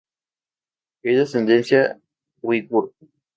Es de ascendencia uigur.